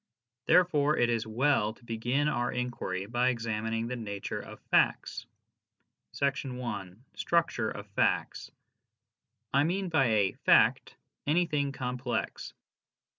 Therefore it is well to begin our inquiry by examining the nature of facts. I. Structure of Facts. I mean by a " fact " anything complex.